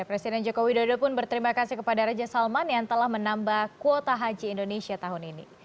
presiden joko widodo pun berterima kasih kepada raja salman yang telah menambah kuota haji indonesia tahun ini